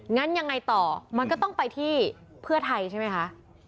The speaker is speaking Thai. งั้นยังไงต่อมันก็ต้องไปที่เพื่อไทยใช่ไหมคะ